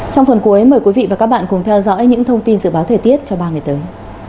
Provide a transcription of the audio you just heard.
trong phần cuối mời quý vị và các bạn cùng theo dõi những thông tin dự báo thời tiết cho ba ngày tới